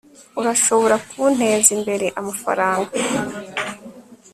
urashobora kunteza imbere amafaranga